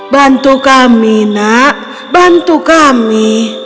bantu kami nak bantu kami